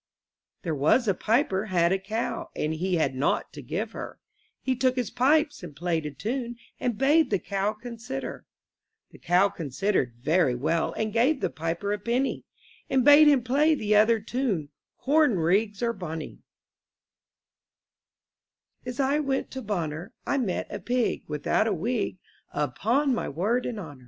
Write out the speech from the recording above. T^HERE was a piper had a cow, *■ And he had naught to give her; ,He "took his pipes and played a tune, And bade the cow consider. The cow considered very well. And gave the piper a penny, And bade him play the other tune, "Corn rigs are bonny/* AS I went to Bonner, ^^ I met a pig Without a wig, Upon my word and honor.